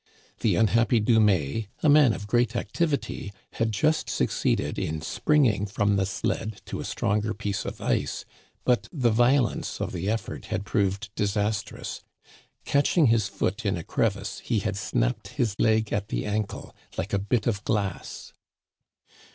The unhappy Dumais, a man of great activity, had just succeeded in springing from the sled to a stronger piece of ice, but the violence of the effort had proved disastrous ; catching his foot in a crevice, he had snapped his leg at the ankle like a bit of glass.